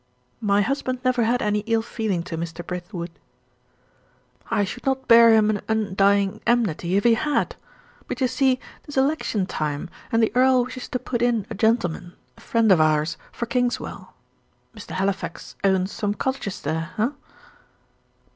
"My husband never had any ill feeling to Mr. Brithwood." "I should not bear him an undying enmity if he had. But you see, 'tis election time, and the earl wishes to put in a gentleman, a friend of ours, for Kingswell. Mr. Halifax owns some cottages there, eh?"